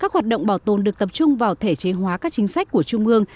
các hoạt động bảo tồn được tập trung vào thể chế hóa các chính sách của trung ương